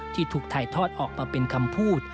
ถูกถ่ายทอดออกมาเป็นคำพูด